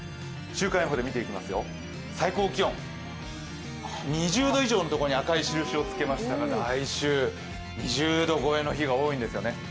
週間予報で見ていきますよ、最高気温、２０度以上のところに赤い印をつけたんですが、来週２０度超えの日が多いんですよね。